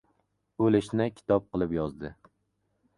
O‘lishni kitob qilib yozdi.